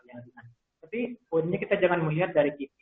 tapi poinnya kita jangan melihat dari kipi